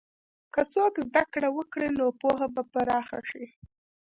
که څوک زده کړه وکړي، نو پوهه به پراخه شي.